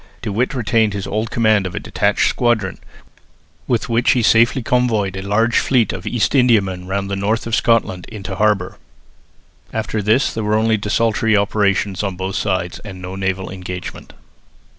De With retained his old command of a detached squadron, with which he safely convoyed a large fleet of East Indiamen round the north of Scotland into harbour. After this there were only desultory operations on both sides and no naval engagement.